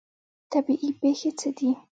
طبیعي پیښې څه دي؟